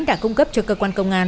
đã cung cấp cho cơ quan công an